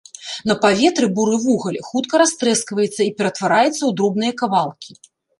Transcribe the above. На паветры буры вугаль хутка растрэскваецца і ператвараецца ў дробныя кавалкі.